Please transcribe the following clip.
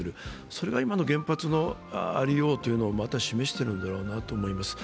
それが今の原発のありようというのをまた示しているんだろうと思います。